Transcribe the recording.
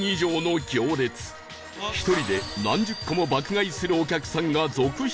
１人で何十個も爆買いするお客さんが続出！